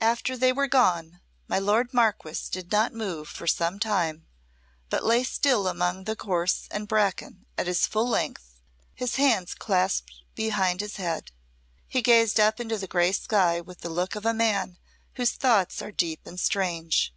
After they were gone my lord Marquess did not move for some time, but lay still among the gorse and bracken at his full length, his hands clasped behind his head. He gazed up into the grey sky with the look of a man whose thoughts are deep and strange.